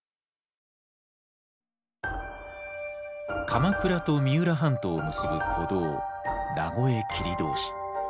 鎌倉と三浦半島を結ぶ古道名越切通。